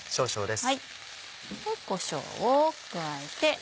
でこしょうを加えて。